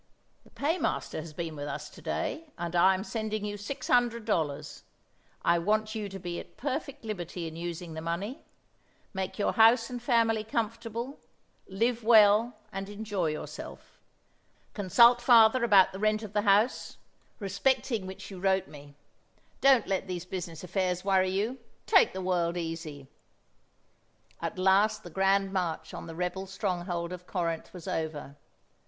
"The paymaster has been with us to day, and I am sending you six hundred dollars. I want you to be at perfect liberty in using the money. Make your house and family comfortable, live well and enjoy yourself. Consult father about the rent of the house, respecting which you wrote me. Don't let these business affairs worry you. Take the world easy." At last the grand march on the rebel stronghold of Corinth was over.